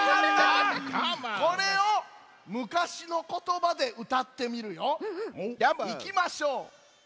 これをむかしのことばでうたってみるよ。いきましょう。